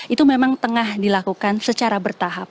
itu memang tengah dilakukan secara bertahap